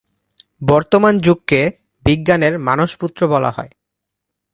বর্তমান যুগকে বিজ্ঞানের মানসপুত্র বলা হয়।